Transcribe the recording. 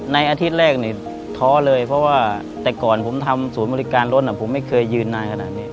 อาทิตย์แรกนี่ท้อเลยเพราะว่าแต่ก่อนผมทำศูนย์บริการรถผมไม่เคยยืนนานขนาดนี้